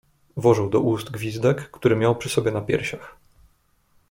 "Włożył do ust gwizdek, który miał przy sobie na piersiach."